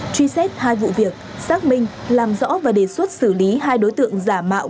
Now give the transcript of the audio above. truy xét hai vụ việc xác minh làm rõ và đề xuất xử lý hai đối tượng giả mạo